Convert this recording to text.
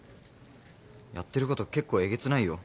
やってることけっこうえげつないよ。